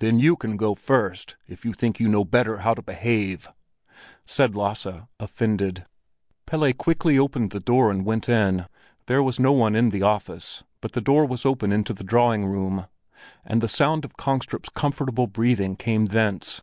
"Then you can go first, if you think you know better how to behave!" said Lasse, offended. Pelle quickly opened the door and went in. There was no one in the office, but the door was open into the drawing room, and the sound of Kongstrup's comfortable breathing came thence.